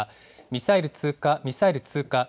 ミサイル通過、ミサイル通過。